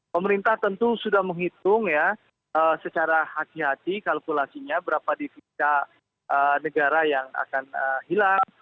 pemerintah tentu sudah menghitung ya secara hati hati kalkulasinya berapa divisa negara yang akan hilang